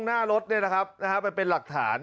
หน้ารถเนี่ยนะครับไปเป็นหลักฐาน